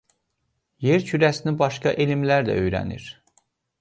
Yer kürəsini başqa elmlər də öyrənir.